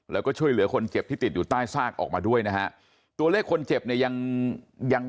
แล้วก็ช่วยเหลือคนเจ็บที่ติดอยู่ใต้ซากออกมาด้วยนะฮะตัวเลขคนเจ็บเนี่ยยังยัง